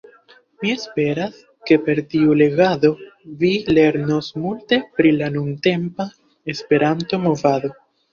Mi esperas, ke per tiu legado vi lernos multe pri la nuntempa Esperanto-movado.